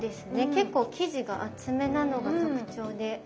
結構生地が厚めなのが特徴で。